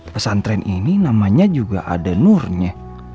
pesantren ini namanya juga ada nur nya